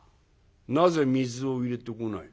「なぜ水を入れてこない？」。